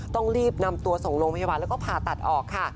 ต้องรีบนำตัวส่งโรงพยาบาลแล้วก็ผ่าตัดออกค่ะ